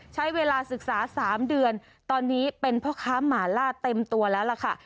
ใช้เวลาศึกษา๓เดือนตอนนี้เป็นพ่อค้าหมาล่าเต็มตัวแล้วล่ะค่ะ